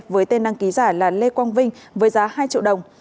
với tên đăng ký giả là lê quang vinh với giá hai triệu đồng